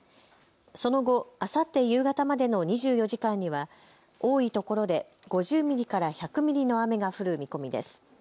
その後、あさって夕方までの２４時間には多いところで５０ミリから１００ミリの雨が降る見込みです。